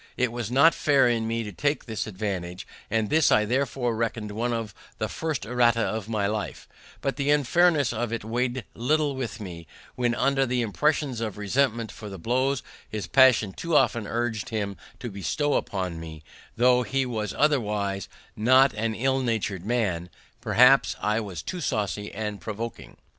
It was not fair in me to take this advantage, and this I therefore reckon one of the first errata of my life; but the unfairness of it weighed little with me, when under the impressions of resentment for the blows his passion too often urged him to bestow upon me, though he was otherwise not an ill natur'd man: perhaps I was too saucy and provoking.